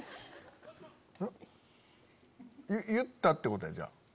言ったってことやじゃあ。